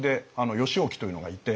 義興というのがいて。